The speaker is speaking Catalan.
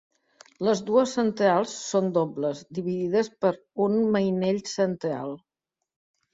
Les dues centrals són dobles, dividides per un mainell central.